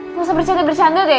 nggak usah bercanda bercanda deh